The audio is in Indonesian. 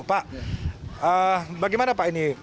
pak bagaimana pak ini